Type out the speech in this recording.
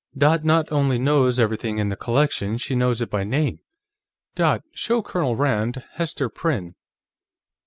"Dot not only knows everything in the collection; she knows it by name. Dot, show Colonel Rand Hester Prynne."